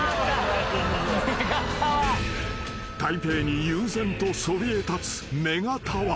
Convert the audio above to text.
［台北に悠然とそびえ立つ］